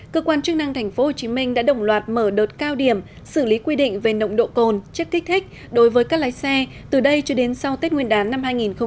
cơ quan chức năng tp hcm đã đồng loạt mở đợt cao điểm xử lý quy định về nồng độ cồn chất kích thích đối với các lái xe từ đây cho đến sau tết nguyên đán năm hai nghìn hai mươi